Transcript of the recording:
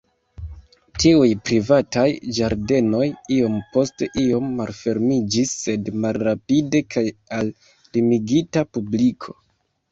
Tiuj privataj ĝardenoj iom post iom malfermiĝis sed malrapide kaj al limigita publiko.